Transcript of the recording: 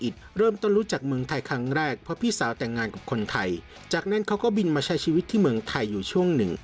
จากนั้นเขาก็บินมาใช้ชีวิตที่เมืองไทยอยู่ช่วงหนึ่ง